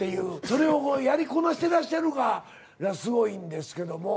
それをやりこなしてらっしゃるからすごいんですけども。